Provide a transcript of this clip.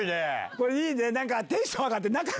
これいいね。